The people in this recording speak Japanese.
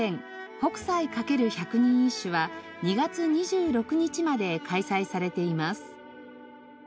「北斎かける百人一首」は２月２６日まで開催されています。